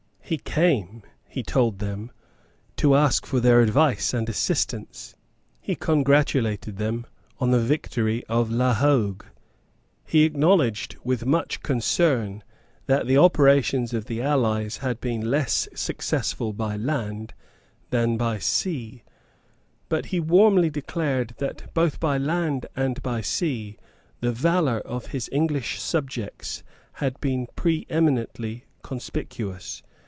He came, he told them, to ask for their advice and assistance. He congratulated them on the victory of La Hogue. He acknowledged with much concern that the operations of the allies had been less successful by land than by sea; but he warmly declared that, both by land and by sea, the valour of his English subjects had been preeminently conspicuous.